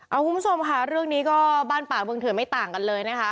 เอาคุณผู้ชมค่ะเรื่องนี้ก็บ้านป่าเมืองเถื่อนไม่ต่างกันเลยนะคะ